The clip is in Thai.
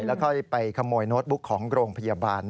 แล้วค่อยไปขโมยโน้ตบุ๊กของโรงพยาบาล